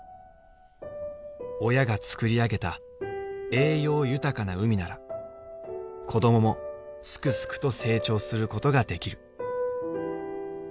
親がつくり上げた栄養豊かな海なら子供もすくすくと成長することができる。